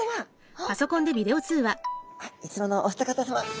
あいつものお二方さま！